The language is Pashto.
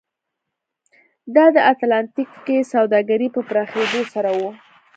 دا د اتلانتیک کې سوداګرۍ په پراخېدو سره و.